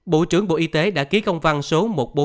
bộ trưởng bộ y tế đã ký công văn số một nghìn bốn trăm ba mươi sáu